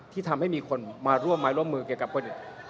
ที่ทำให้มีคนมาร่วมไม้ร่วมมือเกี่ยวกับคนอื่น